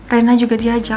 reina juga diajak